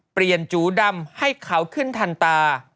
เปลี่ยนจูดำให้เขาขึ้นถันตา